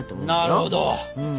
なるほど。